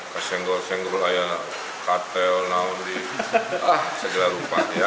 kesenggol senggol katel naun segala rupa ya